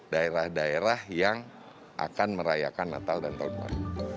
daerah daerah yang akan merayakan natal dan tahun baru